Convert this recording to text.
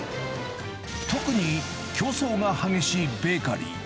特に競争が激しいベーカリー。